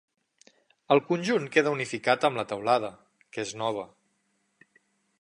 El conjunt queda unificat amb la teulada, que és nova.